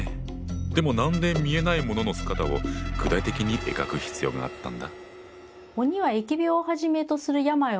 でもなんで見えないものの姿を具体的に描く必要があったんだ？